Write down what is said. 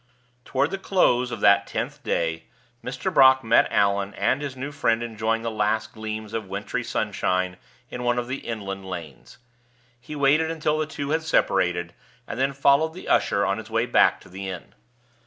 Toward the close of that tenth day, Mr. Brock met Allan and his new friend enjoying the last gleams of wintry sunshine in one of the inland lanes. He waited until the two had separated, and then followed the usher on his way back to the inn.